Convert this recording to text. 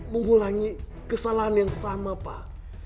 mengulangi kesalahan yang sama pak